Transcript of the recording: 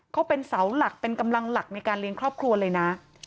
เขาเป็นเสาหลักเป็นกำลังหลักในการเลี้ยงครอบครัวเลยนะ